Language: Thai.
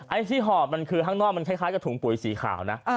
ไอ้ที่หอบมันคือข้างนอกมันคล้ายกับถุงปุ๋ยสีขาวนะ